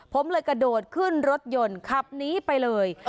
ผมเลยกระโดดขึ้นรถยนต์ขับหนีไปเลย